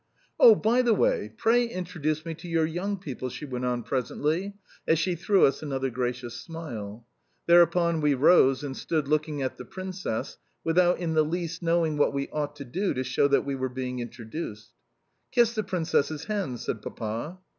"Oh, by the way, pray introduce me to your young people," she went on presently as she threw us another gracious smile. Thereupon we rose and stood looking at the Princess, without in the least knowing what we ought to do to show that we were being introduced. "Kiss the Princess's hand," said Papa.